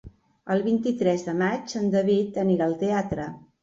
El vint-i-tres de maig en David anirà al teatre.